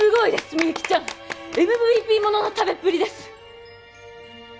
みゆきちゃんＭＶＰものの食べっぷりです